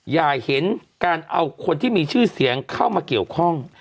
อย่าเห็นการเอาคนที่มีชื่อเสียงเข้ามาเกี่ยวข้อง